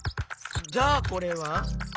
じゃあこれは？